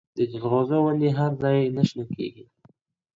د جلغوزو وني هر ځای نه شنه کېږي.